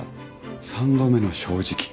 三度目の正直。